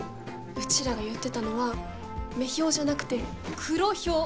うちらが言ってたのは女豹じゃなくて黒ヒョウ。